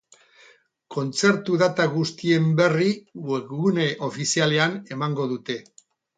Kontzertu data guztien berri webgune ofizialean emango dute.